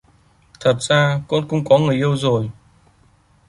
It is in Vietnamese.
Thật ra con cũng có người yêu rồi